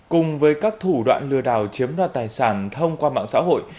cùng với các thủ đoạn lừa đảo chiếm đoạt tài sản thông qua mạng xã hội